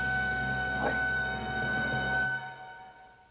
はい。